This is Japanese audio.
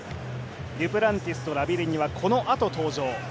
デュプランティスとラビレニはこのあと登場。